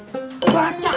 cegah demam berdarah